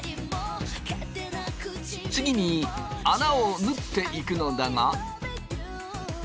次に穴を縫っていくのだが。